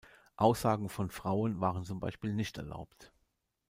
Aussagen von Frauen waren zum Beispiel nicht erlaubt.